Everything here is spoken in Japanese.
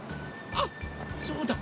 あっそうだ。